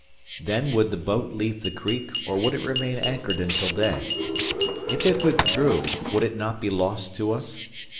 Then would the boat leave the creek, or would it remain anchored until day? If it withdrew, would it not be lost to us?